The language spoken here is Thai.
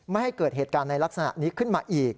ไม่ให้เกิดเหตุการณ์ในลักษณะนี้ขึ้นมาอีก